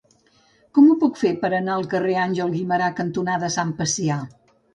Com ho puc fer per anar al carrer Àngel Guimerà cantonada Sant Pacià?